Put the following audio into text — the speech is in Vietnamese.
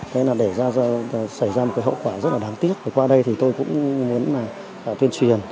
thế là để xảy ra một cái hậu quả rất là đáng tiếc qua đây thì tôi cũng muốn là tuyên truyền